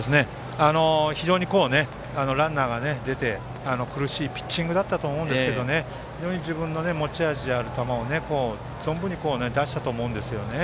非常にランナーが出て苦しいピッチングだったと思うんですけど非常に自分の持ち味である球を存分に出したと思うんですね。